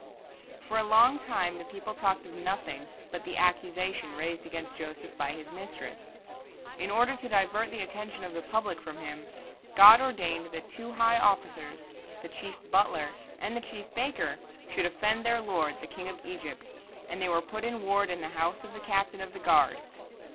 For a long time the people talked of nothing but the accusation raised against Joseph by his mistress. In order to divert the attention of the public from him, God ordained that two high officers, the chief butler and the chief baker, should offend their lord, the king of Egypt, and they were put in ward in the house of the captain of the guard.